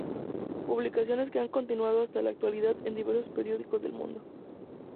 Publicaciones que han continuado hasta la actualidad en diversos periódicos del Mundo.